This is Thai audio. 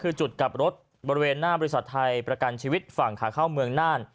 คือจุดกลับรถบริเวณหน้าบริษัทไทยประกันชีวิตฝั่งขาเข้าเมืองน่าน